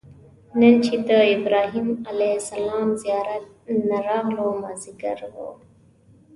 نن چې د ابراهیم علیه السلام زیارت نه راغلو مازیګر و.